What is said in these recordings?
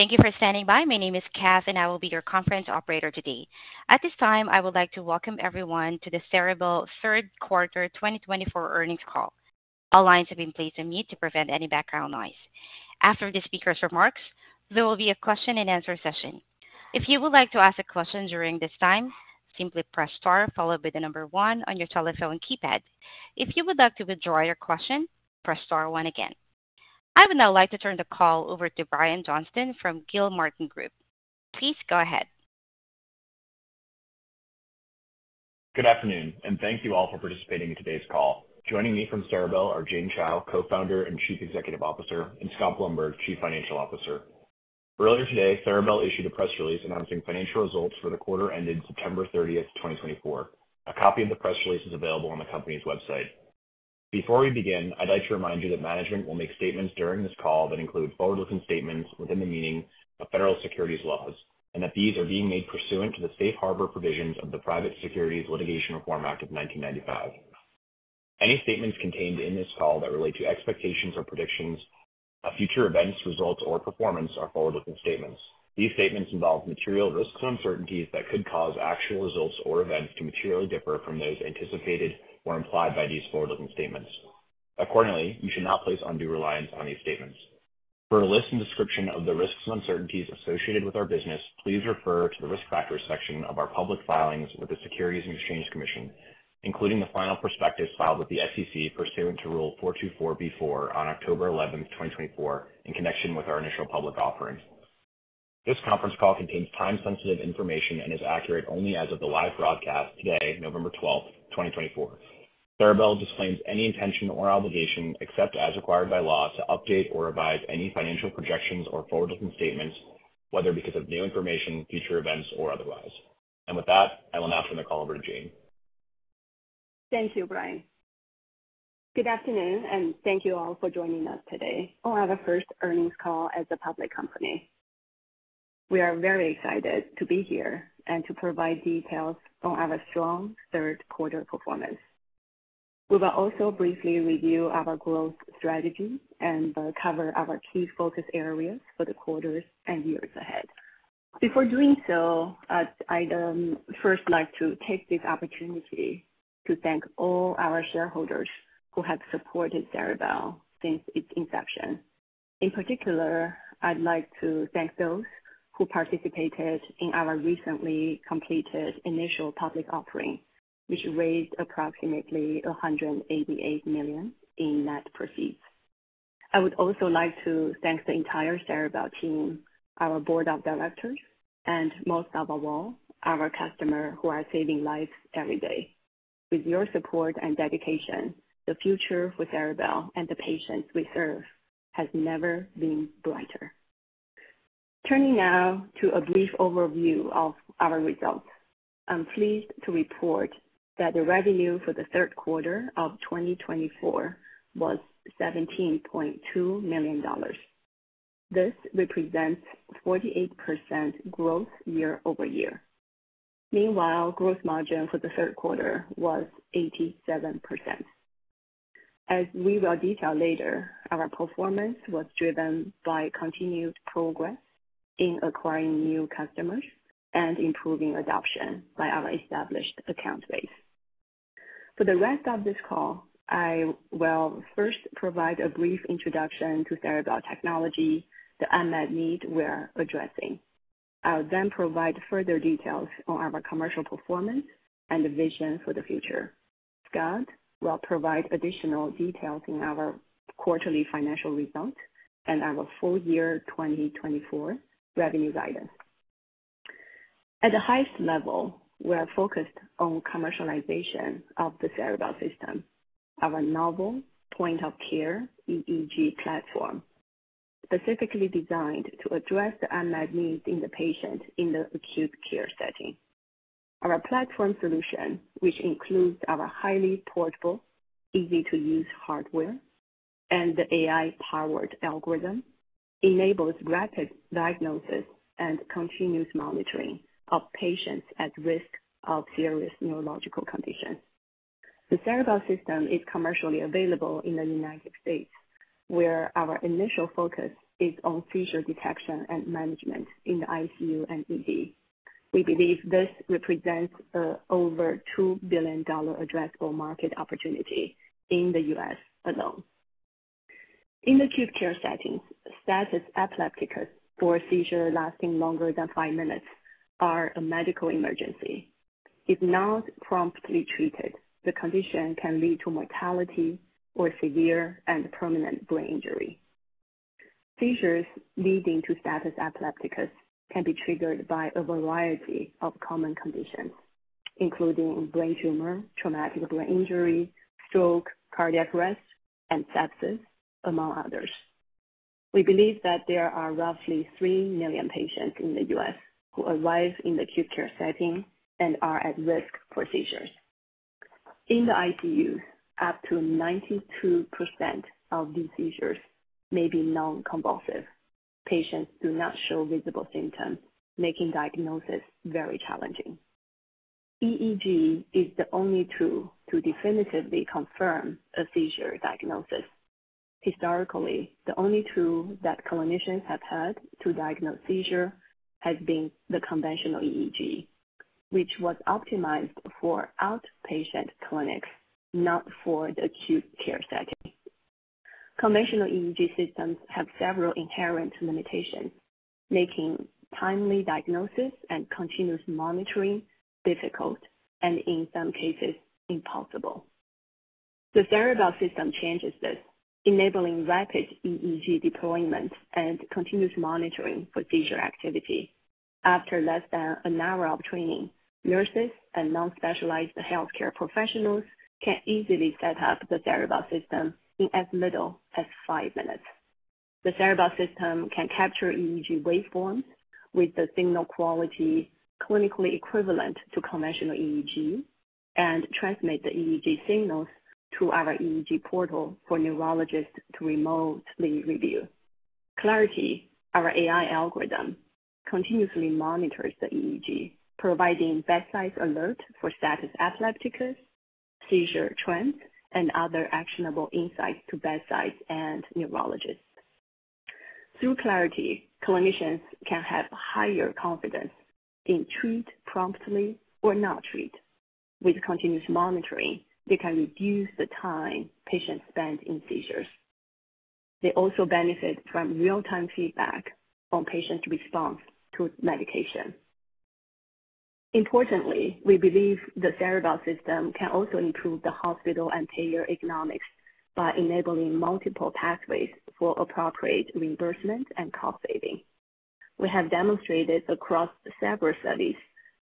Thank you for standing by. My name is Cass, and I will be your conference operator today. At this time, I would like to welcome everyone to the Ceribell Third Quarter 2024 earnings call. All lines have been placed on mute to prevent any background noise. After the speaker's remarks, there will be a question-and-answer session. If you would like to ask a question during this time, simply press star followed by the number one on your telephone keypad. If you would like to withdraw your question, press star one again. I would now like to turn the call over to Brian Johnston from Gilmartin Group. Please go ahead. Good afternoon, and thank you all for participating in today's call. Joining me from Ceribell are Jane Chao, Co-founder and Chief Executive Officer, and Scott Blumberg, Chief Financial Officer. Earlier today, Ceribell issued a press release announcing financial results for the quarter ending September 30th, 2024. A copy of the press release is available on the company's website. Before we begin, I'd like to remind you that management will make statements during this call that include forward-looking statements within the meaning of federal securities laws and that these are being made pursuant to the safe harbor provisions of the Private Securities Litigation Reform Act of 1995. Any statements contained in this call that relate to expectations or predictions, future events, results, or performance are forward-looking statements. These statements involve material risks and uncertainties that could cause actual results or events to materially differ from those anticipated or implied by these forward-looking statements. Accordingly, you should not place undue reliance on these statements. For a list and description of the risks and uncertainties associated with our business, please refer to the risk factors section of our public filings with the Securities and Exchange Commission, including the final prospectus filed with the SEC pursuant to Rule 424(b)(4) on October 11th, 2024, in connection with our initial public offering. This conference call contains time-sensitive information and is accurate only as of the live broadcast today, November 12th, 2024. Ceribell disclaims any intention or obligation, except as required by law, to update or revise any financial projections or forward-looking statements, whether because of new information, future events, or otherwise. With that, I will now turn the call over to Jane. Thank you, Brian. Good afternoon, and thank you all for joining us today on our first earnings call as a public company. We are very excited to be here and to provide details on our strong third-quarter performance. We will also briefly review our growth strategy and cover our key focus areas for the quarters and years ahead. Before doing so, I'd first like to take this opportunity to thank all our shareholders who have supported Ceribell since its inception. In particular, I'd like to thank those who participated in our recently completed initial public offering, which raised approximately $188 million in net proceeds. I would also like to thank the entire Ceribell team, our board of directors, and most of all, our customers who are saving lives every day. With your support and dedication, the future for Ceribell and the patients we serve has never been brighter. Turning now to a brief overview of our results, I'm pleased to report that the revenue for the third quarter of 2024 was $17.2 million. This represents 48% growth year over year. Meanwhile, the gross margin for the third quarter was 87%. As we will detail later, our performance was driven by continued progress in acquiring new customers and improving adoption by our established account base. For the rest of this call, I will first provide a brief introduction to Ceribell technology, the unmet need we're addressing. I'll then provide further details on our commercial performance and the vision for the future. Scott will provide additional details in our quarterly financial results and our full year 2024 revenue guidance. At the highest level, we're focused on commercialization of the Ceribell system, our novel point-of-care EEG platform, specifically designed to address the unmet needs in the patient in the acute care setting. Our platform solution, which includes our highly portable, easy-to-use hardware and the AI-powered algorithm, enables rapid diagnosis and continuous monitoring of patients at risk of serious neurological conditions. The Ceribell system is commercially available in the United States, where our initial focus is on seizure detection and management in the ICU and ED. We believe this represents an over $2 billion addressable market opportunity in the U.S. alone. In the acute care settings, status epilepticus or seizure lasting longer than five minutes is a medical emergency. If not promptly treated, the condition can lead to mortality or severe and permanent brain injury. Seizures leading to status epilepticus can be triggered by a variety of common conditions, including brain tumor, traumatic brain injury, stroke, cardiac arrest, and sepsis, among others. We believe that there are roughly three million patients in the U.S. who arrive in the acute care setting and are at risk for seizures. In the ICU, up to 92% of these seizures may be non-convulsive. Patients do not show visible symptoms, making diagnosis very challenging. EEG is the only tool to definitively confirm a seizure diagnosis. Historically, the only tool that clinicians have had to diagnose seizure has been the conventional EEG, which was optimized for outpatient clinics, not for the acute care setting. Conventional EEG systems have several inherent limitations, making timely diagnosis and continuous monitoring difficult and, in some cases, impossible. The Ceribell system changes this, enabling rapid EEG deployment and continuous monitoring for seizure activity. After less than an hour of training, nurses and non-specialized healthcare professionals can easily set up the Ceribell system in as little as five minutes. The Ceribell system can capture EEG waveforms with the signal quality clinically equivalent to conventional EEG and transmit the EEG signals to our EEG portal for neurologists to remotely review. Clarity, our AI algorithm, continuously monitors the EEG, providing bedside alerts for status epilepticus, seizure trends, and other actionable insights to bedsides and neurologists. Through Clarity, clinicians can have higher confidence in treat promptly or not treat. With continuous monitoring, they can reduce the time patients spend in seizures. They also benefit from real-time feedback on patients' response to medication. Importantly, we believe the Ceribell system can also improve the hospital and payer economics by enabling multiple pathways for appropriate reimbursement and cost saving. We have demonstrated across several studies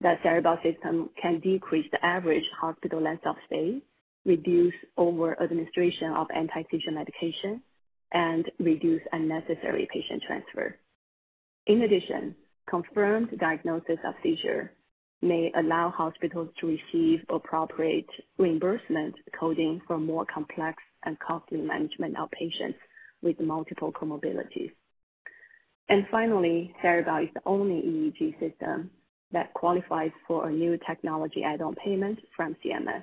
that the Ceribell system can decrease the average hospital length of stay, reduce over-administration of anti-seizure medication, and reduce unnecessary patient transfer. In addition, confirmed diagnosis of seizure may allow hospitals to receive appropriate reimbursement coding for more complex and costly management of patients with multiple comorbidities, and finally, Ceribell is the only EEG system that qualifies for a New Technology Add-on Payment from CMS,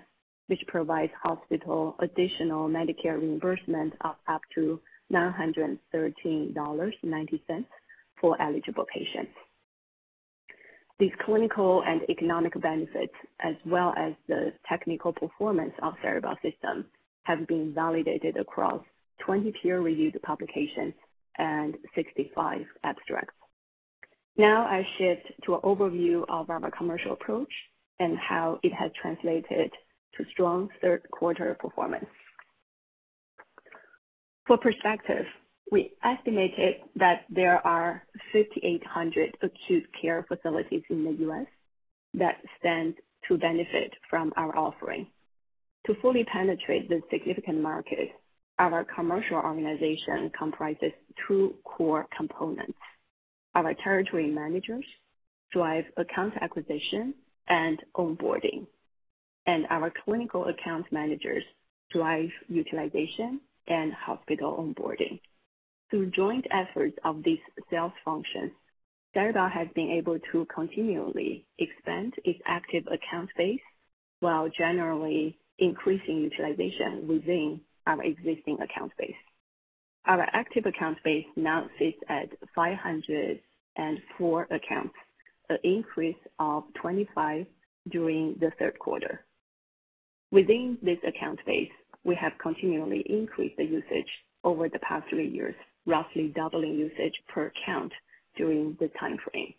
which provides hospitals additional Medicare reimbursement of up to $913.90 for eligible patients. These clinical and economic benefits, as well as the technical performance of the Ceribell system, have been validated across 20 peer-reviewed publications and 65 abstracts. Now, I shift to an overview of our commercial approach and how it has translated to strong third-quarter performance. For perspective, we estimated that there are 5,800 acute care facilities in the U.S. that stand to benefit from our offering. To fully penetrate this significant market, our commercial organization comprises two core components. Our territory managers drive account acquisition and onboarding, and our clinical account managers drive utilization and hospital onboarding. Through joint efforts of these sales functions, Ceribell has been able to continually expand its active account base while generally increasing utilization within our existing account base. Our active account base now sits at 504 accounts, an increase of 25 during the third quarter. Within this account base, we have continually increased the usage over the past three years, roughly doubling usage per account during this time frame.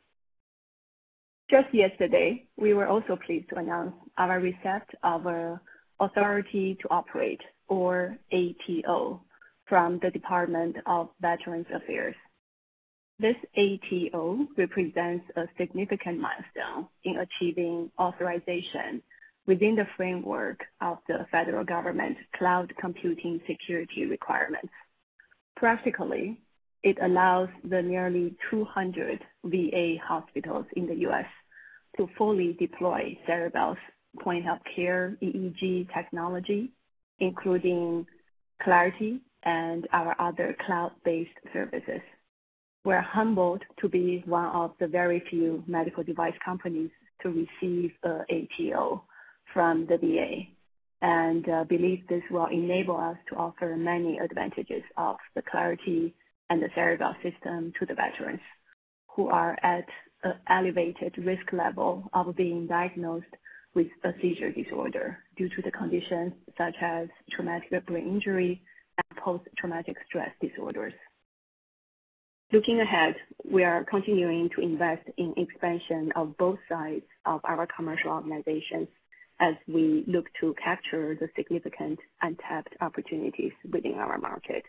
Just yesterday, we were also pleased to announce our receipt of our authority to operate, or ATO, from the Department of Veterans Affairs. This ATO represents a significant milestone in achieving authorization within the framework of the federal government cloud computing security requirements. Practically, it allows the nearly 200 VA hospitals in the U.S. to fully deploy Ceribell's point-of-care EEG technology, including Clarity and our other cloud-based services. We're humbled to be one of the very few medical device companies to receive an ATO from the VA and believe this will enable us to offer many advantages of the Clarity and the Ceribell system to the veterans who are at an elevated risk level of being diagnosed with a seizure disorder due to the conditions such as traumatic brain injury and post-traumatic stress disorders. Looking ahead, we are continuing to invest in the expansion of both sides of our commercial organizations as we look to capture the significant untapped opportunities within our market.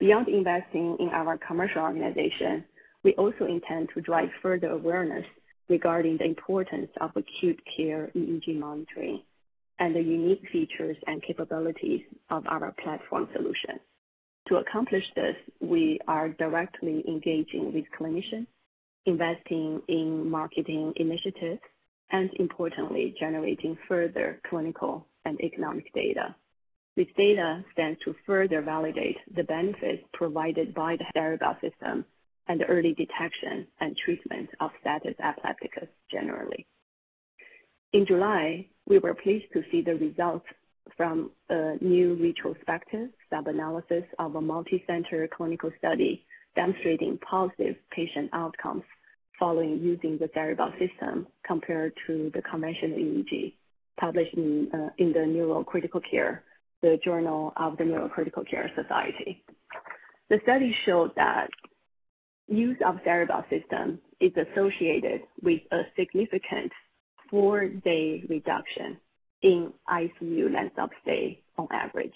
Beyond investing in our commercial organization, we also intend to drive further awareness regarding the importance of acute care EEG monitoring and the unique features and capabilities of our platform solution. To accomplish this, we are directly engaging with clinicians, investing in marketing initiatives, and, importantly, generating further clinical and economic data. This data stands to further validate the benefits provided by the Ceribell system and the early detection and treatment of status epilepticus generally. In July, we were pleased to see the results from a new retrospective sub-analysis of a multicenter clinical study demonstrating positive patient outcomes following using the Ceribell system compared to the conventional EEG published in the Neurocritical Care, the journal of the Neurocritical Care Society. The study showed that the use of the Ceribell system is associated with a significant four-day reduction in ICU length of stay on average.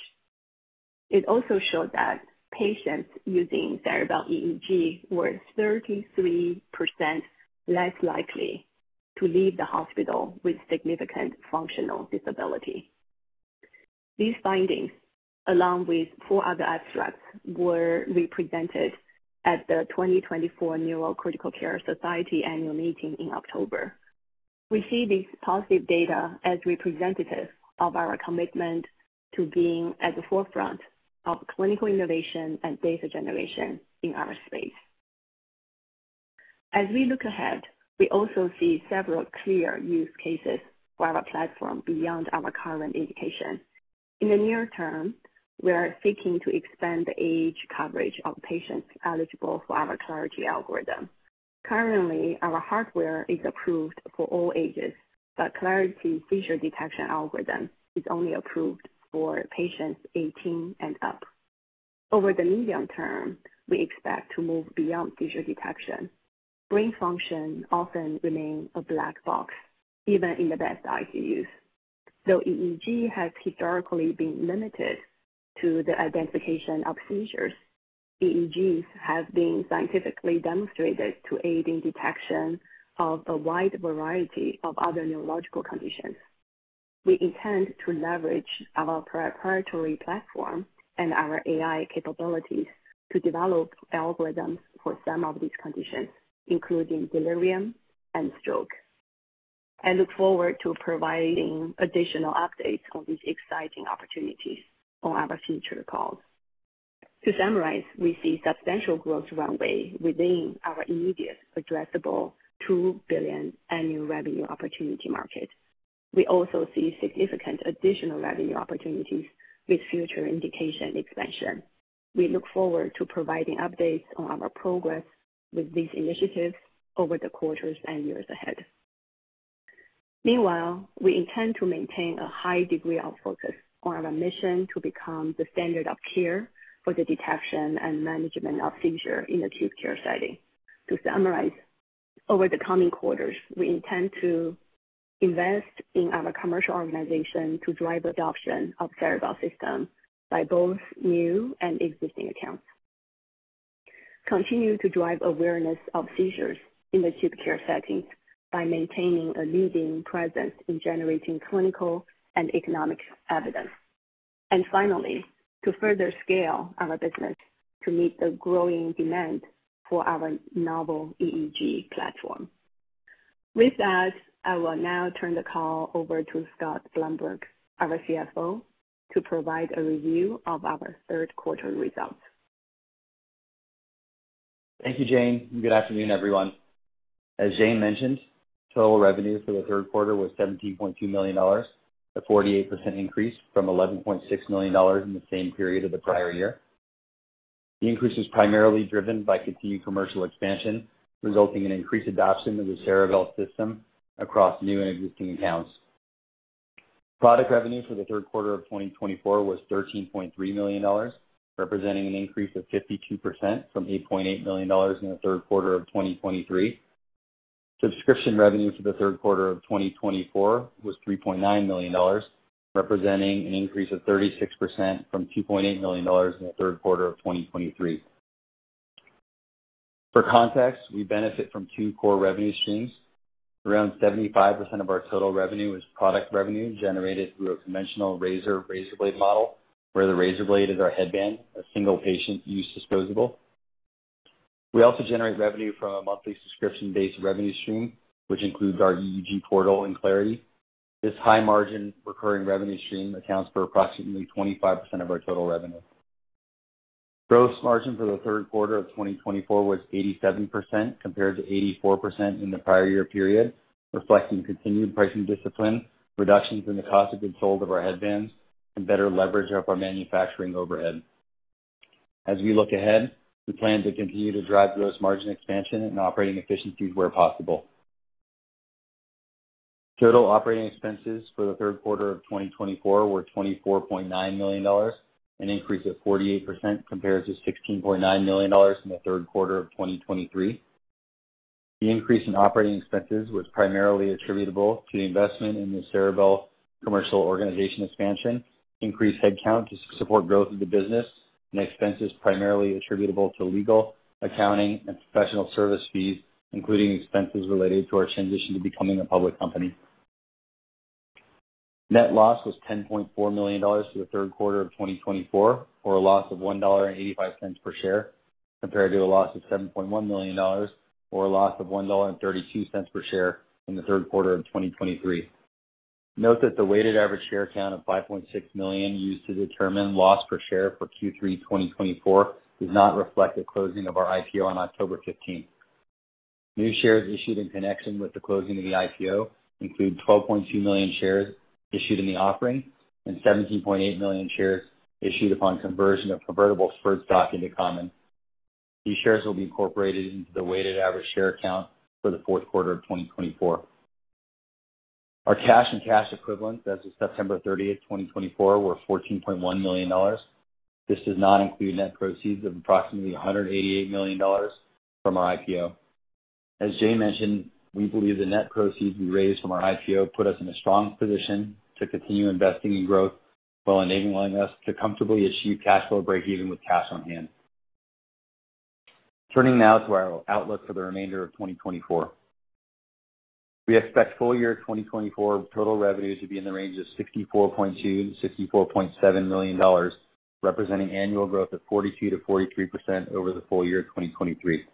It also showed that patients using Ceribell EEG were 33% less likely to leave the hospital with significant functional disability. These findings, along with four other abstracts, were represented at the 2024 Neurocritical Care Society annual meeting in October. We see this positive data as representative of our commitment to being at the forefront of clinical innovation and data generation in our space. As we look ahead, we also see several clear use cases for our platform beyond our current indication. In the near term, we are seeking to expand the age coverage of patients eligible for our Clarity algorithm. Currently, our hardware is approved for all ages, but Clarity's seizure detection algorithm is only approved for patients 18 and up. Over the medium term, we expect to move beyond seizure detection. Brain function often remains a black box, even in the best ICUs. Though EEG has historically been limited to the identification of seizures, EEGs have been scientifically demonstrated to aid in detection of a wide variety of other neurological conditions. We intend to leverage our proprietary platform and our AI capabilities to develop algorithms for some of these conditions, including delirium and stroke. I look forward to providing additional updates on these exciting opportunities on our future calls. To summarize, we see substantial growth runway within our immediate addressable two billion annual revenue opportunity market. We also see significant additional revenue opportunities with future indication expansion. We look forward to providing updates on our progress with these initiatives over the quarters and years ahead. Meanwhile, we intend to maintain a high degree of focus on our mission to become the standard of care for the detection and management of seizure in the acute care setting. To summarize, over the coming quarters, we intend to invest in our commercial organization to drive adoption of the Ceribell system by both new and existing accounts, continue to drive awareness of seizures in the acute care settings by maintaining a leading presence in generating clinical and economic evidence, and finally, to further scale our business to meet the growing demand for our novel EEG platform. With that, I will now turn the call over to Scott Blumberg, our CFO, to provide a review of our third-quarter results. Thank you, Jane. Good afternoon, everyone. As Jane mentioned, total revenue for the third quarter was $17.2 million, a 48% increase from $11.6 million in the same period of the prior year. The increase was primarily driven by continued commercial expansion, resulting in increased adoption of the Ceribell system across new and existing accounts. Product revenue for the third quarter of 2024 was $13.3 million, representing an increase of 52% from $8.8 million in the third quarter of 2023. Subscription revenue for the third quarter of 2024 was $3.9 million, representing an increase of 36% from $2.8 million in the third quarter of 2023. For context, we benefit from two core revenue streams. Around 75% of our total revenue is product revenue generated through a conventional razor/razor blade model, where the razor blade is our headband, a single patient use disposable. We also generate revenue from a monthly subscription-based revenue stream, which includes our EEG portal and Clarity. This high-margin recurring revenue stream accounts for approximately 25% of our total revenue. Gross margin for the third quarter of 2024 was 87% compared to 84% in the prior year period, reflecting continued pricing discipline, reductions in the cost of goods sold of our headbands, and better leverage of our manufacturing overhead. As we look ahead, we plan to continue to drive gross margin expansion and operating efficiencies where possible. Total operating expenses for the third quarter of 2024 were $24.9 million, an increase of 48% compared to $16.9 million in the third quarter of 2023. The increase in operating expenses was primarily attributable to investment in the Ceribell commercial organization expansion, increased headcount to support growth of the business, and expenses primarily attributable to legal, accounting, and professional service fees, including expenses related to our transition to becoming a public company. Net loss was $10.4 million for the third quarter of 2024, or a loss of $1.85 per share, compared to a loss of $7.1 million or a loss of $1.32 per share in the third quarter of 2023. Note that the weighted average share count of 5.6 million used to determine loss per share for Q3 2024 does not reflect the closing of our IPO on October 15. New shares issued in connection with the closing of the IPO include 12.2 million shares issued in the offering and 17.8 million shares issued upon conversion of convertible preferred stock into common. These shares will be incorporated into the weighted average share count for the fourth quarter of 2024. Our cash and cash equivalents as of September 30, 2024, were $14.1 million. This does not include net proceeds of approximately $188 million from our IPO. As Jane mentioned, we believe the net proceeds we raised from our IPO put us in a strong position to continue investing in growth while enabling us to comfortably achieve cash flow break-even with cash on hand. Turning now to our outlook for the remainder of 2024, we expect full year 2024 total revenue to be in the range of $64.2-$64.7 million, representing annual growth of 42%-43% over the full year of 2023.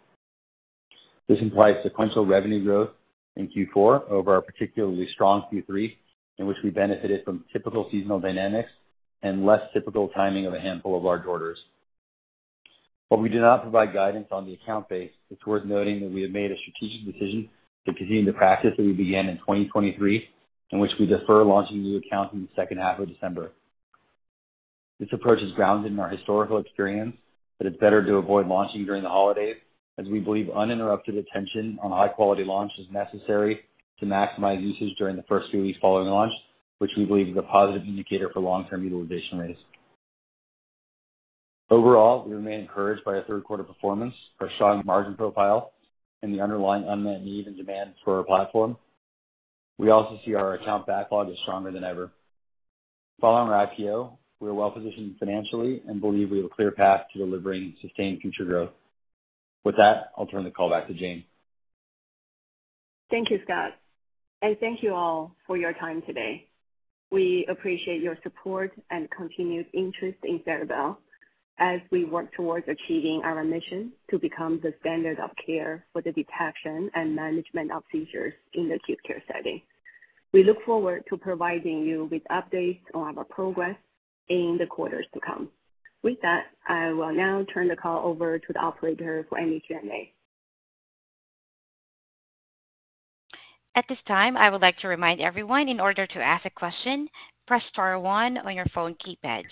This implies sequential revenue growth in Q4 over our particularly strong Q3, in which we benefited from typical seasonal dynamics and less typical timing of a handful of large orders. While we do not provide guidance on the account base, it's worth noting that we have made a strategic decision to continue the practice that we began in 2023, in which we defer launching new accounts in the second half of December. This approach is grounded in our historical experience, but it's better to avoid launching during the holidays, as we believe uninterrupted attention on high-quality launch is necessary to maximize usage during the first few weeks following launch, which we believe is a positive indicator for long-term utilization rates. Overall, we remain encouraged by our third-quarter performance, our strong margin profile, and the underlying unmet need and demand for our platform. We also see our account backlog is stronger than ever. Following our IPO, we are well-positioned financially and believe we have a clear path to delivering sustained future growth. With that, I'll turn the call back to Jane. Thank you, Scott, and thank you all for your time today. We appreciate your support and continued interest in Ceribell as we work towards achieving our mission to become the standard of care for the detection and management of seizures in the acute care setting. We look forward to providing you with updates on our progress in the quarters to come. With that, I will now turn the call over to the operator for any Q&A. At this time, I would like to remind everyone, in order to ask a question, press star one on your phone keypad.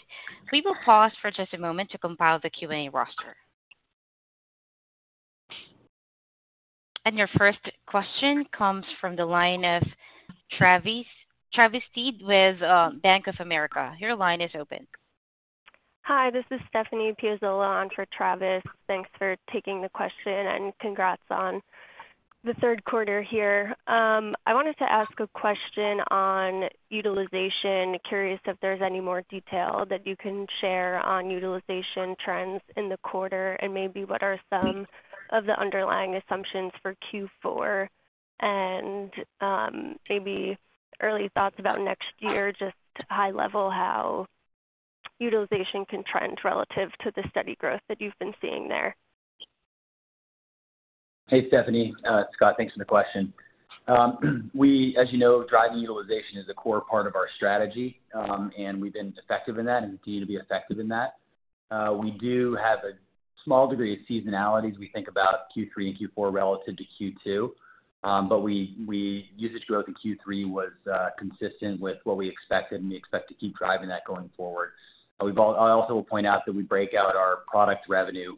We will pause for just a moment to compile the Q&A roster. And your first question comes from the line of Travis Steed with Bank of America. Your line is open. Hi, this is Stephanie Piazzola on for Travis. Thanks for taking the question and congrats on the third quarter here. I wanted to ask a question on utilization, curious if there's any more detail that you can share on utilization trends in the quarter and maybe what are some of the underlying assumptions for Q4 and maybe early thoughts about next year, just high-level how utilization can trend relative to the steady growth that you've been seeing there. Hey, Stephanie. Scott, thanks for the question. We, as you know, driving utilization is a core part of our strategy, and we've been effective in that and continue to be effective in that. We do have a small degree of seasonality as we think about Q3 and Q4 relative to Q2, but we saw the growth in Q3 was consistent with what we expected, and we expect to keep driving that going forward. I also will point out that we break out our product revenue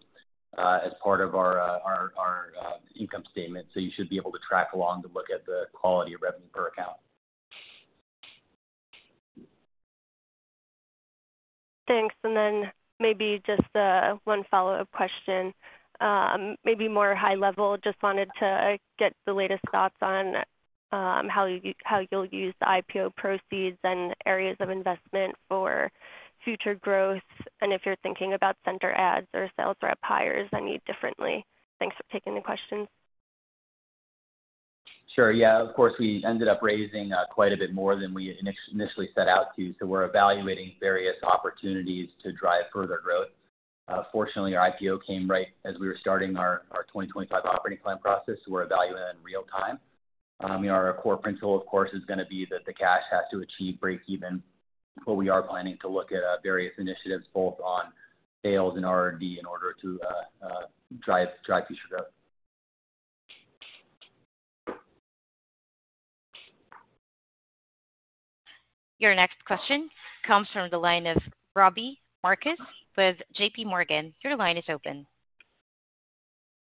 as part of our income statement, so you should be able to track along to look at the quality of revenue per account. Thanks. And then maybe just one follow-up question, maybe more high-level, just wanted to get the latest thoughts on how you'll use the IPO proceeds and areas of investment for future growth and if you're thinking about center adds or sales rep hires any differently. Thanks for taking the questions. Sure. Yeah, of course, we ended up raising quite a bit more than we initially set out to, so we're evaluating various opportunities to drive further growth. Fortunately, our IPO came right as we were starting our 2025 operating plan process, so we're evaluating in real time. Our core principle, of course, is going to be that the cash has to achieve break-even, but we are planning to look at various initiatives both on sales and R&D in order to drive future growth. Your next question comes from the line of Robbie Marcus with J.P. Morgan. Your line is open.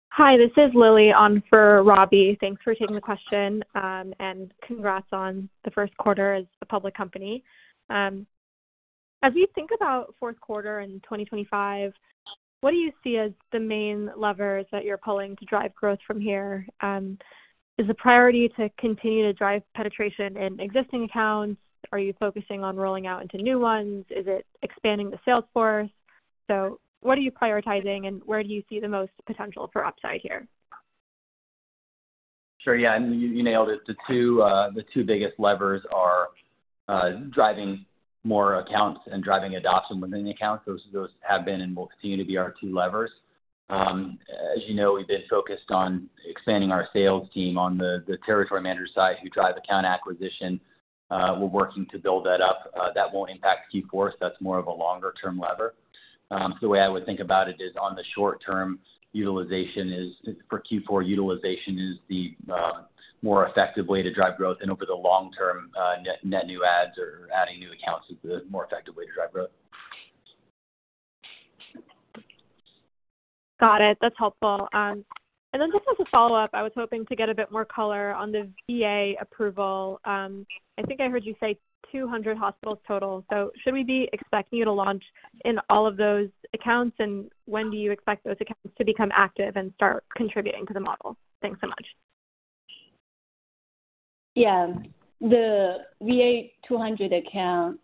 Hi, this is Lily on for Robbie. Thanks for taking the question and congrats on the first quarter as a public company. As we think about fourth quarter in 2025, what do you see as the main levers that you're pulling to drive growth from here? Is the priority to continue to drive penetration in existing accounts? Are you focusing on rolling out into new ones? Is it expanding the sales force? So what are you prioritizing, and where do you see the most potential for upside here? Sure. Yeah, you nailed it. The two biggest levers are driving more accounts and driving adoption within the accounts. Those have been and will continue to be our two levers. As you know, we've been focused on expanding our sales team on the territory manager side who drive account acquisition. We're working to build that up. That won't impact Q4, so that's more of a longer-term lever. The way I would think about it is on the short-term, utilization is for Q4, utilization is the more effective way to drive growth, and over the long-term, net new ads or adding new accounts is the more effective way to drive growth. Got it. That's helpful. And then just as a follow-up, I was hoping to get a bit more color on the VA approval. I think I heard you say 200 hospitals total. So should we be expecting you to launch in all of those accounts, and when do you expect those accounts to become active and start contributing to the model? Thanks so much. Yeah. The VA 200 account,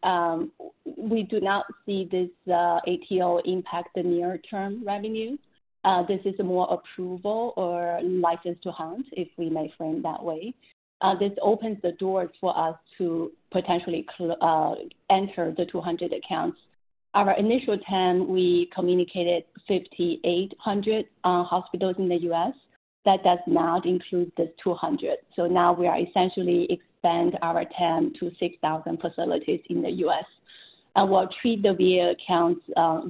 we do not see this ATO impact the near-term revenue. This is more approval or license to hunt, if we may frame that way. This opens the doors for us to potentially enter the 200 accounts. Our initial TAM, we communicated 5,800 hospitals in the U.S. That does not include this 200. So now we are essentially expanding our TAM to 6,000 facilities in the U.S. We'll treat the VA accounts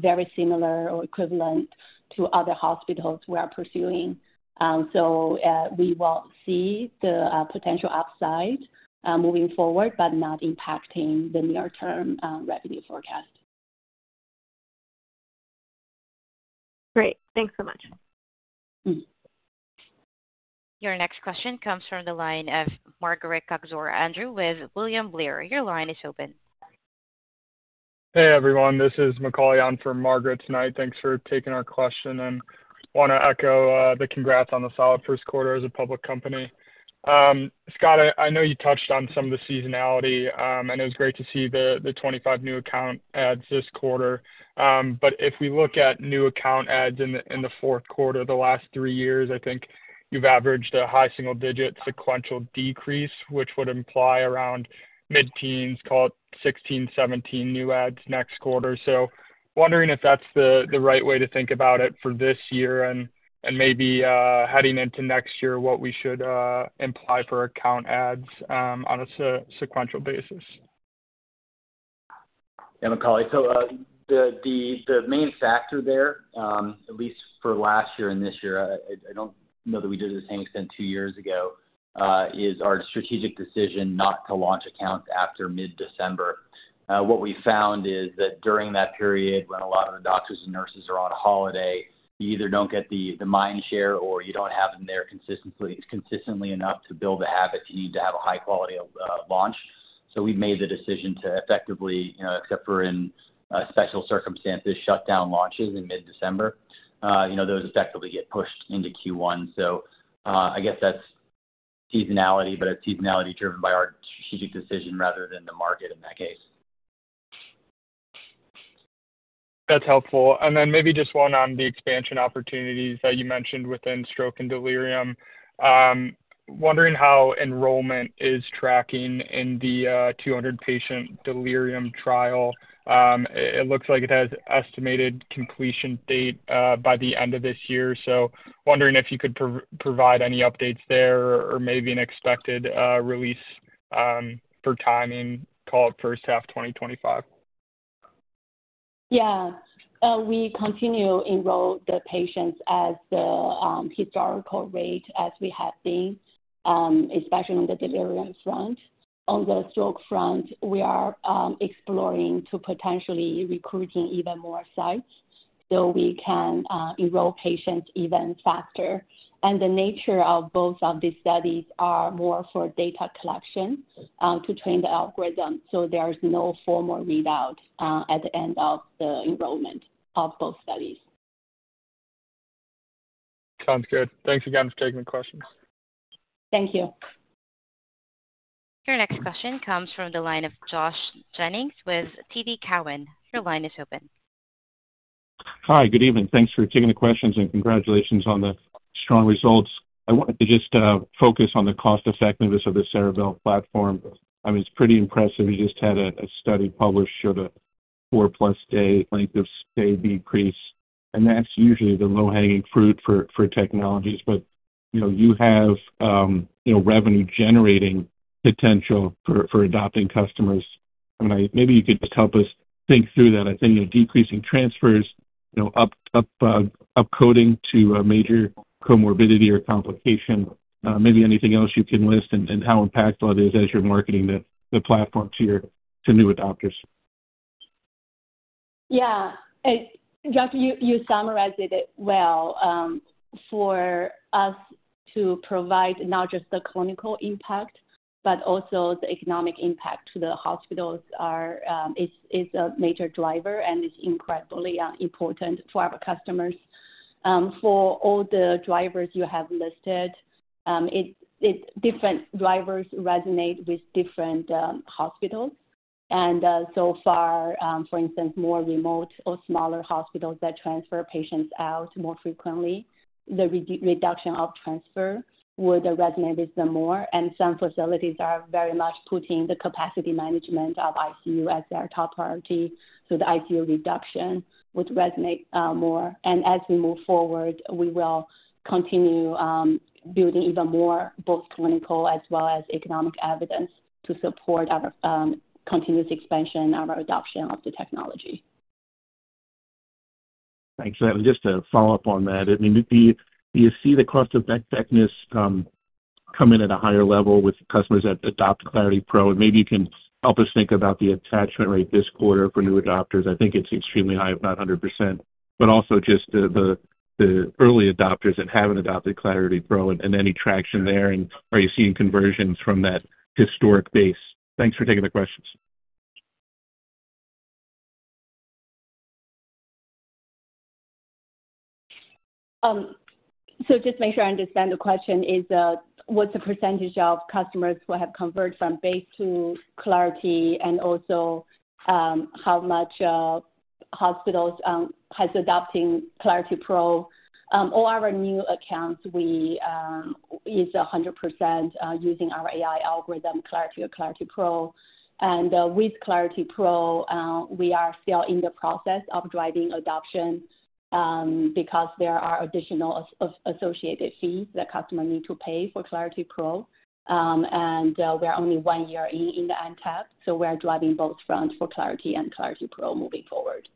very similar or equivalent to other hospitals we are pursuing. So we will see the potential upside moving forward, but not impacting the near-term revenue forecast. Great. Thanks so much. Your next question comes from the line of Margaret Kaczor Andrew with William Blair. Your line is open. Hey, everyone. This is Macauley on for Margaret tonight. Thanks for taking our question and want to echo the congrats on the solid first quarter as a public company. Scott, I know you touched on some of the seasonality, and it was great to see the 25 new account adds this quarter. But if we look at new account adds in the fourth quarter, the last three years, I think you've averaged a high single-digit sequential decrease, which would imply around mid-teens, call it 16, 17 new adds next quarter. So wondering if that's the right way to think about it for this year and maybe heading into next year, what we should imply for account adds on a sequential basis. Yeah, Mcauley. So the main factor there, at least for last year and this year, I don't know that we did it to the same extent two years ago, is our strategic decision not to launch accounts after mid-December. What we found is that during that period when a lot of the doctors and nurses are on holiday, you either don't get the mind share or you don't have them there consistently enough to build the habits you need to have a high-quality launch. So we've made the decision to effectively, except for in special circumstances, shut down launches in mid-December. Those effectively get pushed into Q1. So I guess that's seasonality, but it's seasonality driven by our strategic decision rather than the market in that case. That's helpful. And then maybe just one on the expansion opportunities that you mentioned within stroke and delirium. Wondering how enrollment is tracking in the 200-patient delirium trial? It looks like it has an estimated completion date by the end of this year. So wondering if you could provide any updates there or maybe an expected release for timing, call it first half 2025? Yeah. We continue to enroll the patients at the historical rate as we have been, especially on the delirium front. On the stroke front, we are exploring to potentially recruit even more sites so we can enroll patients even faster, and the nature of both of these studies is more for data collection to train the algorithm, so there is no formal readout at the end of the enrollment of both studies. Sounds good. Thanks again for taking the questions. Thank you. Your next question comes from the line of Josh Jennings with TD Cowen. Your line is open. Hi, good evening. Thanks for taking the questions and congratulations on the strong results. I wanted to just focus on the cost-effectiveness of the Ceribell platform. I mean, it's pretty impressive. You just had a study published showed a four-plus day length of stay decrease, and that's usually the low-hanging fruit for technologies. But you have revenue-generating potential for adopting customers. I mean, maybe you could just help us think through that. I think decreasing transfers, upcoding to a major comorbidity or complication, maybe anything else you can list and how impactful it is as you're marketing the platform to new adopters. Yeah. Josh, you summarized it well. For us to provide not just the clinical impact, but also the economic impact to the hospitals is a major driver and is incredibly important for our customers. For all the drivers you have listed, different drivers resonate with different hospitals. And so far, for instance, more remote or smaller hospitals that transfer patients out more frequently, the reduction of transfer would resonate with them more. And some facilities are very much putting the capacity management of ICU as their top priority, so the ICU reduction would resonate more. And as we move forward, we will continue building even more both clinical as well as economic evidence to support our continuous expansion and our adoption of the technology. Thanks. Just to follow up on that, I mean, do you see the cost-effectiveness come in at a higher level with customers that adopt Clarity Pro? And maybe you can help us think about the attachment rate this quarter for new adopters. I think it's extremely high, about 100%. But also just the early adopters that haven't adopted Clarity Pro and any traction there, and are you seeing conversions from that historic base? Thanks for taking the questions. So just to make sure I understand the question, what's the percentage of customers who have converted from base to Clarity and also how much hospitals are adopting Clarity Pro? All our new accounts, we use 100% using our AI algorithm, Clarity or Clarity Pro. And with Clarity Pro, we are still in the process of driving adoption because there are additional associated fees that customers need to pay for Clarity Pro. And we are only one year in the NTAP, so we are driving both fronts for Clarity and Clarity Pro moving forward.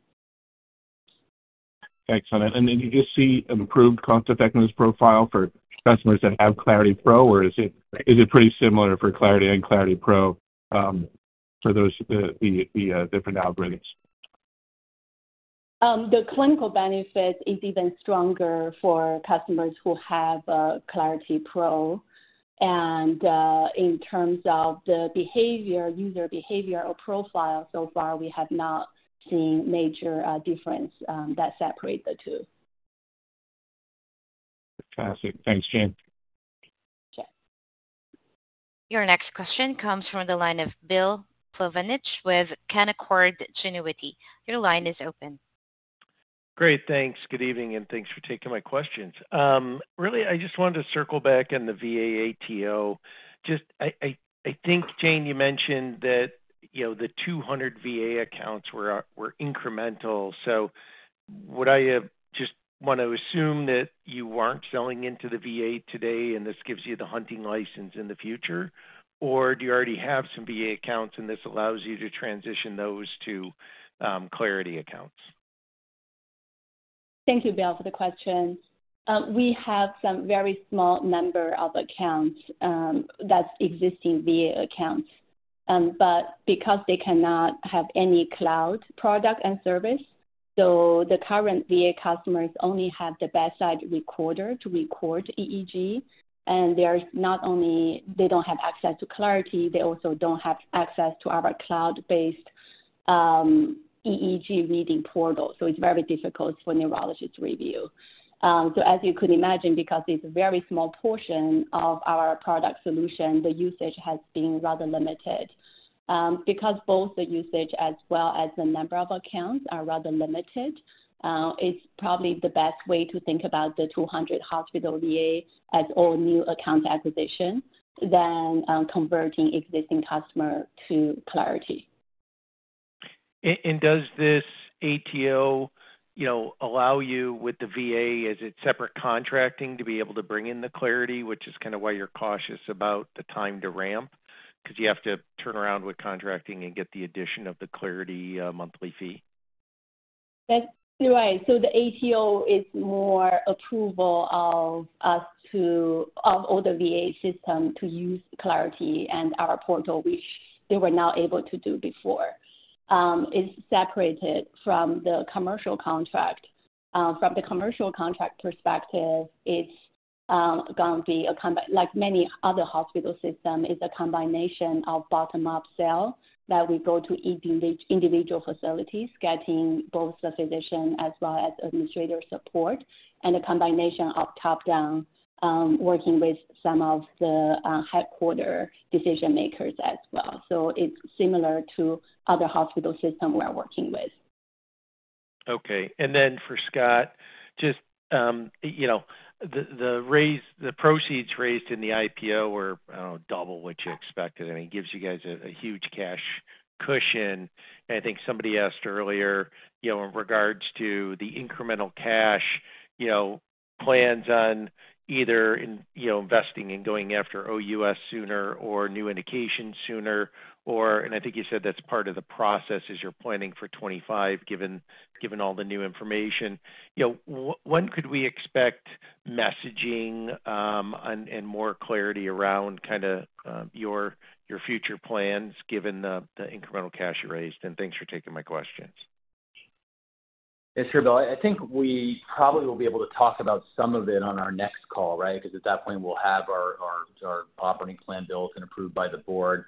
Excellent. And do you see improved cost-effectiveness profile for customers that have Clarity Pro, or is it pretty similar for Clarity and Clarity Pro for the different algorithms? The clinical benefit is even stronger for customers who have Clarity Pro. And in terms of the behavior, user behavior or profile, so far, we have not seen a major difference that separates the two. Fantastic. Thanks, Jane. Sure. Your next question comes from the line of Bill Plovanic with Canaccord Genuity. Your line is open. Great. Thanks. Good evening, and thanks for taking my questions. Really, I just wanted to circle back on the VA ATO. I think, Jane, you mentioned that the 200 VA accounts were incremental. So would I just want to assume that you weren't selling into the VA today, and this gives you the hunting license in the future? Or do you already have some VA accounts, and this allows you to transition those to Clarity accounts? Thank you, Bill, for the question. We have some very small number of accounts that are existing VA accounts. But because they cannot have any cloud product and service, so the current VA customers only have the bedside recorder to record EEG. And they don't have access to Clarity. They also don't have access to our cloud-based EEG reading portal. So it's very difficult for neurologists to review. So as you could imagine, because it's a very small portion of our product solution, the usage has been rather limited. Because both the usage as well as the number of accounts are rather limited, it's probably the best way to think about the 200 hospital VA as all new account acquisition than converting existing customers to Clarity. Does this ATO allow you with the VA, is it separate contracting to be able to bring in the Clarity, which is kind of why you're cautious about the time to ramp? Because you have to turn around with contracting and get the addition of the Clarity monthly fee. That's right. So the ATO is more approval of all the VA systems to use Clarity and our portal, which they were not able to do before. It's separated from the commercial contract. From the commercial contract perspective, it's going to be like many other hospital systems. It's a combination of bottom-up sale that we go to individual facilities, getting both the physician as well as administrator support, and a combination of top-down working with some of the headquarters decision-makers as well. So it's similar to other hospital systems we're working with. Okay. And then for Scott, just the proceeds raised in the IPO were double what you expected. I mean, it gives you guys a huge cash cushion. And I think somebody asked earlier in regards to the incremental cash, plans on either investing in going after OUS sooner or new indications sooner. And I think you said that's part of the process as you're planning for 2025, given all the new information. When could we expect messaging and more clarity around kind of your future plans, given the incremental cash you raised? And thanks for taking my questions. Thanks, Ceribell. I think we probably will be able to talk about some of it on our next call, right? Because at that point, we'll have our operating plan built and approved by the board.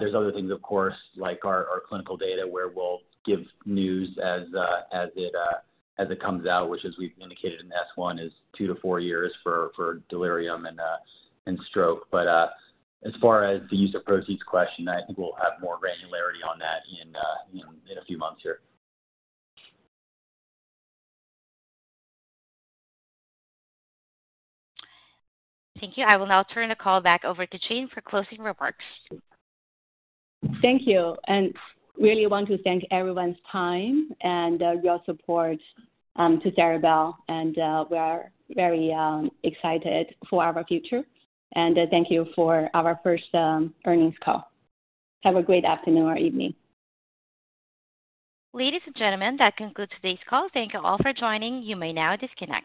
There's other things, of course, like our clinical data where we'll give news as it comes out, which, as we've indicated in S-1, is two to four years for delirium and stroke. But as far as the use of proceeds question, I think we'll have more granularity on that in a few months here. Thank you. I will now turn the call back over to Jane for closing remarks. Thank you and really want to thank everyone's time and your support to Ceribell and we are very excited for our future and thank you for our first earnings call. Have a great afternoon or evening. Ladies and gentlemen, that concludes today's call. Thank you all for joining. You may now disconnect.